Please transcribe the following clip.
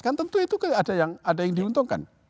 kan tentu itu kan ada yang diuntungkan